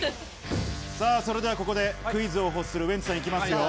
それではここで、クイズを欲するウエンツさん行きますよ。